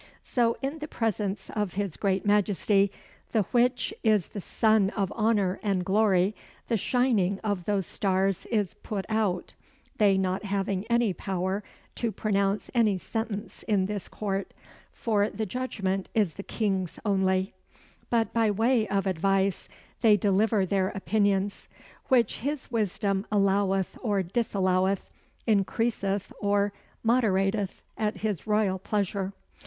So in the presence of his great majesty, the which is the sun of honour and glory, the shining of those stars is put out, they not having any power to pronounce any sentence in this Court for the judgment is the King's only; but by way of advice they deliver their opinions, which his wisdom alloweth or disalloweth, increaseth or moderateth at his royal pleasure."